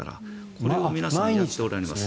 これを皆さんやっておられます。